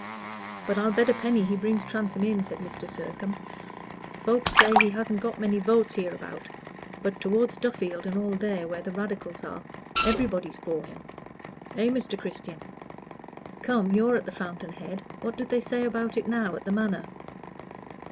"But I'll bet a penny he brings Transome in," said Mr. Sircome. "Folks say he hasn't got many votes hereabout; but toward Duffield, and all there, where the Radicals are, everybody's for him. Eh, Mr. Christian? Come you're at the fountain head what do they say about it now at the Manor?"